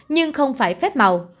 nhưng không phải phép màu